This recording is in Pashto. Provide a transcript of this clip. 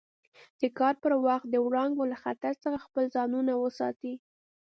د کار پر وخت د وړانګو له خطر څخه خپل ځانونه وساتي.